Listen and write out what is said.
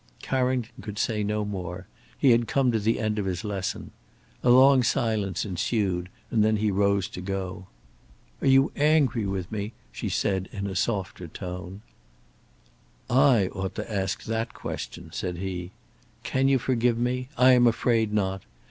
Carrington could say no more. He had come to the end of his lesson. A long silence ensued and then he rose to go. "Are you angry with me?" said she in a softer tone. "I ought to ask that question," said he. "Can you forgive me? I am afraid not.